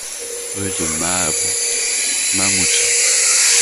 RUE DE MAHABOU, Mamoudzou